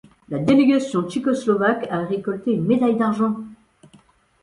La délégation tchécoslovaque a récolté une médaille d'argent.